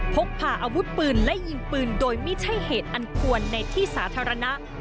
พกพาอาวุธปืนและยิงปืนโดยไม่ใช่เหตุอันควรในที่สาธารณะ